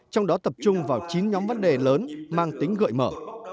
trong đó tập trung vào chín nhóm vấn đề lớn mang tính gợi mở